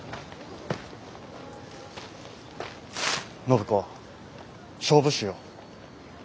暢子勝負しよう。